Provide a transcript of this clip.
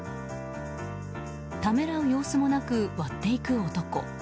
ためらう様子もなく割っていく男。